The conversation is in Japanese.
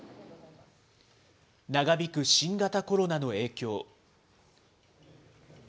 長引く新型コロナの影響。